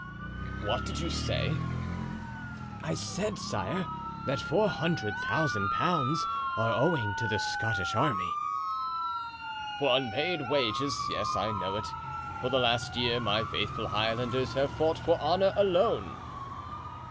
"What did you say?" "I said, sire, that four hundred thousand pounds are owing to the Scottish army." "For unpaid wages; yes, I know it. For the last year my faithful Highlanders have fought for honor alone."